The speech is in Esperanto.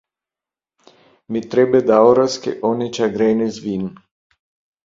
Mi tre bedaŭras ke oni ĉagrenis vin.